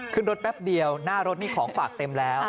ขึ้นรถแป๊บเดียวหน้ารถนี่ของฝากเต็มแล้ว